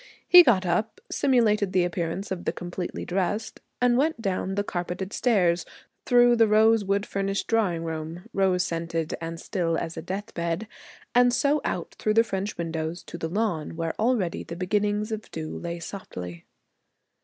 He got up, simulated the appearance of the completely dressed, and went down the carpeted stairs, through the rosewood furnished drawing room, rose scented and still as a deathbed, and so out through the French windows to the lawn, where already the beginnings of dew lay softly.